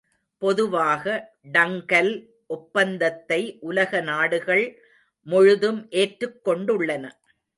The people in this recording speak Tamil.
பொதுவாக டங்கல் ஒப்பந்தத்தை உலக நாடுகள் முழுதும் ஏற்றுக் கொண்டுள்ளன.